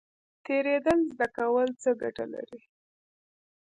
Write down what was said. تیریدل زده کول څه ګټه لري؟